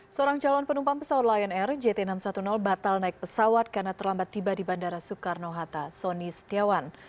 seorang calon penumpang pesawat lion air jt enam ratus sepuluh batal naik pesawat karena terlambat tiba di bandara soekarno hatta sony setiawan